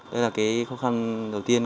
đây là cái khó khăn đầu tiên